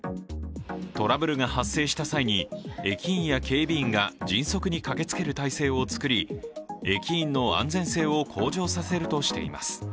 トラブルが発生した際に駅員や警備員が迅速に駆けつける体制を作り駅員の安全性を向上させるとしています。